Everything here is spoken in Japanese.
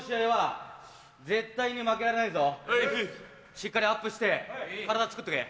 しっかりアップして体つくっとけ。